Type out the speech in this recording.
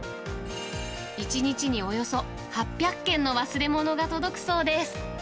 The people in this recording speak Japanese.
１日におよそ８００件の忘れ物が届くそうです。